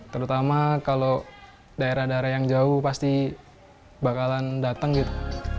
terutama kalau daerah daerah yang jauh pasti bakalan datang gitu